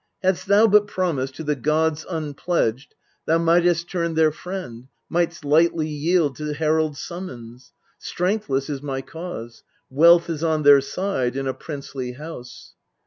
Hadst thou but promised, to the gods unpledged, 1 Thou mightest turn their friend, might'st lightly yield To herald summons. Strengthless is my cause: Wealth is on their side, and a princely house.